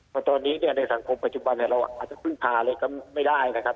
เพราะตอนนี้เนี่ยในสังคมปัจจุบันเราอาจจะพึ่งพาเลยก็ไม่ได้นะครับ